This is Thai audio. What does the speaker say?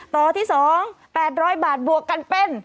ต่อที่๒๘๐๐บาทบวกกันเป็น